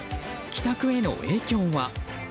帰宅への影響は？